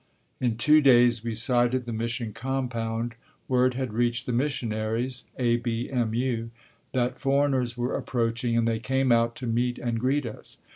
In two days we sighted the Mission Compound. Word had reached the missionaries (A.B.M.U.) that foreigners were approaching, and they came out to meet and greet us.